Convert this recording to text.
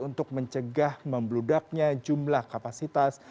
untuk mencegah membludaknya jumlah kapasitas